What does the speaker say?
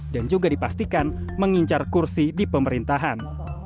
dan juga dipastikan mengincar kursi di pemerintahan